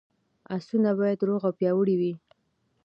اسونه باید روغ او پیاوړي وي.